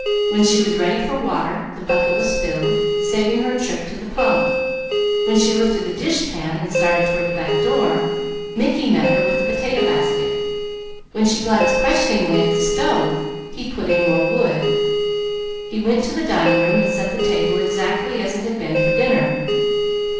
When she was ready for water, the bucket was filled, saving her a trip to the pump. When she lifted the dishpan and started toward the back door, Mickey met her with the potato basket. When she glanced questioningly at the stove, he put in more wood. He went to the dining room and set the table exactly as it had been for dinner.